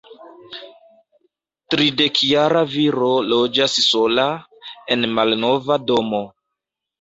Tridekjara viro loĝas sola, en malnova domo.